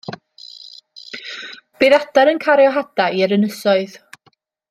Bydd adar yn cario hadau i'r ynysoedd.